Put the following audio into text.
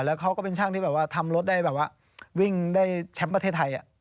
แล้วเขาก็เป็นช่างที่แบบว่าทำรถได้แบบว่าวิ่งได้แชมป์ประเทศไทย